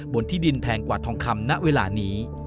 ที่ดินแพงกว่าทองคำณเวลานี้